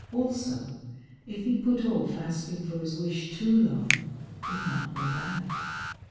Also, if he put off asking for his wish too long it might go bad.